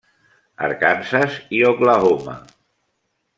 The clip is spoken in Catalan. Arkansas i Oklahoma.